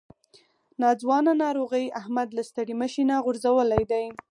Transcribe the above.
ناځوانه ناروغۍ احمد له ستړي مشي نه غورځولی دی.